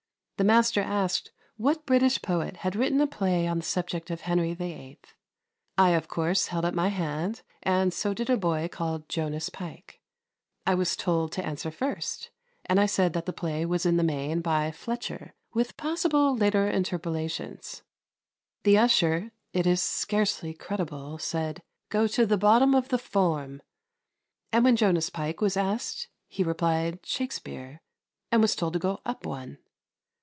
The master asked what British poet had written a play on the subject of Henry VIII. I, of course, held up my hand, and so did a boy called Jonas Pike. I was told to answer first, and I said that the play was in the main by Fletcher, with possible later interpolations. The usher, it is scarcely credible, said, "Go to the bottom of the form," and when Jonas Pike was asked he replied, "Shakespeare," and was told to go up one.